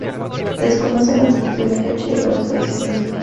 Se desconocen con exactitud la fecha y el lugar de su fallecimiento.